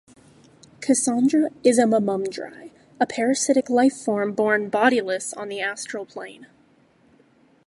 Cassandra is a "mummudrai," a parasitic life form born bodiless on the astral plane.